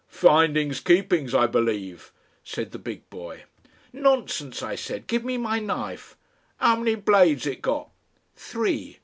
"Findin's keepin's, I believe," said the big boy. "Nonsense," I said. "Give me my knife." "'Ow many blades it got?" "Three."